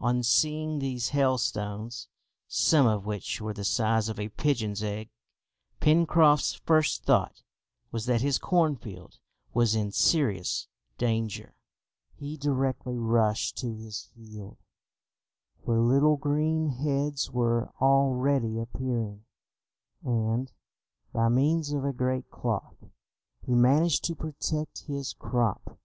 On seeing these hailstones, some of which were the size of a pigeon's egg, Pencroft's first thought was that his cornfield was in serious danger. He directly rushed to his field, where little green heads were already appearing, and, by means of a great cloth, he managed to protect his crop.